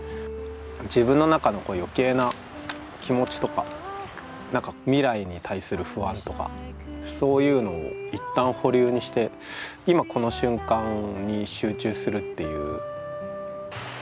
自分の中の余計な気持ちとかなんか未来に対する不安とかそういうのをいったん保留にして今この瞬間に集中するっていう。